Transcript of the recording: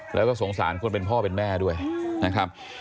แล้วก็สงสารคนเป็นพ่อเป็นแม่ด้วยนะครับ